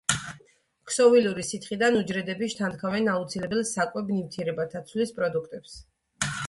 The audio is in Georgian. ქსოვილური სითხიდან უჯრედები შთანთქავენ აუცილებელ საკვებ ნივთიერებათა ცვლის პროდუქტებს.